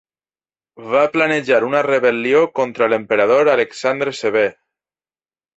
Va planejar una rebel·lió contra l'emperador Alexandre Sever.